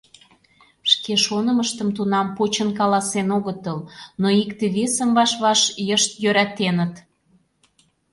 Шке шонымыштым тунам почын каласен огытыл, но икте-весым ваш-ваш йышт йӧратеныт.